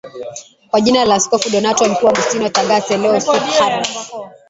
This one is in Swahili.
kwa jina la askofu Donato Mkuu Augustino Thagaste leo Souk Ahras